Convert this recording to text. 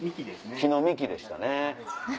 木の幹でしたね。